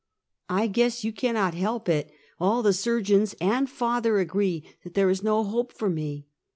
I guess you cannot help it! All the surgeons and father agree that there is no hope for me."